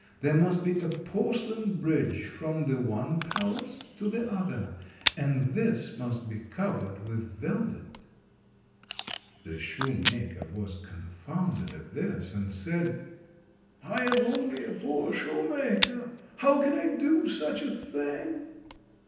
There must be a porcelain bridge from the one palace to the other, and this must be covered with velvet." The shoemaker was confounded at this, and said— "I am only a poor shoemaker, how can I do such a thing?"